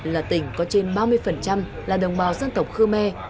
là tỉnh có trên ba mươi là đồng bào dân tộc khmer